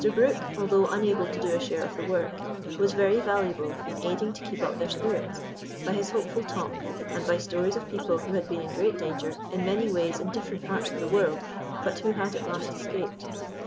Brook, although unable to do a share of the work, was very valuable in aiding to keep up their spirits, by his hopeful talk, and by stories of people who had been in great danger in many ways in different parts of the world, but who had at last escaped.